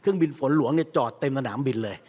เครื่องบินฝนหลวงจอดเต็มสนามบินเลย